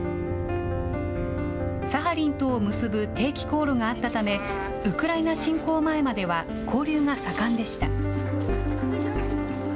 サハリンとを結ぶ定期航路があったため、ウクライナ侵攻前までは交流が盛んでした。